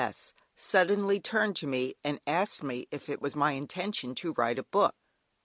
C. S. suddenly turned to me and asked me if it was my intention to write a book.